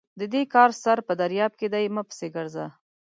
د دې کار سر په درياب کې دی؛ مه پسې ګرځه!